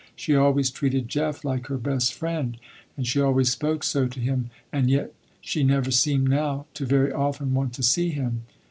She always treated Jeff, like her best friend, and she always spoke so to him and yet she never seemed now to very often want to see him.